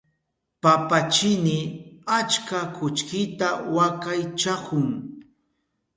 Papachini achka kullkita wakaychahun.